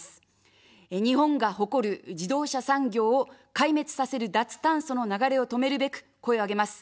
日本が誇る自動車産業を壊滅させる脱炭素の流れを止めるべく、声を上げます。